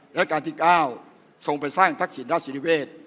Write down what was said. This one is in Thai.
และการที่๙ส่งไปสร้างทักษิณราชินิเวทย์